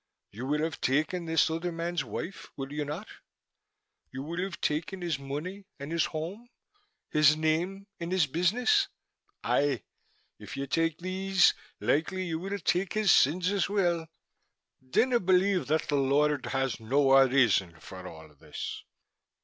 You will have taken this other man's wife, will you not? You will have taken his money and his home, his name and his business. Aye, if you take these likely you will take his sins as well. Dinna believe that the Lord has no a reason for all this.